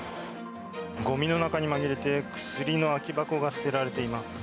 ごみの中にまみれて薬の空き箱が捨てられています。